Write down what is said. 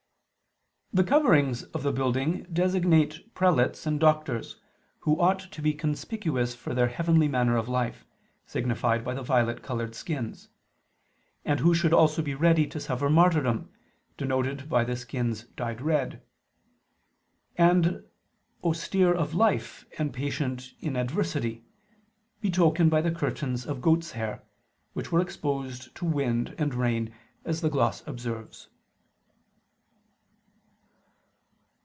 The coverings of the building designate prelates and doctors, who ought to be conspicuous for their heavenly manner of life, signified by the violet colored skins: and who should also be ready to suffer martyrdom, denoted by the skins dyed red; and austere of life and patient in adversity, betokened by the curtains of goats' hair, which were exposed to wind and rain, as the gloss observes.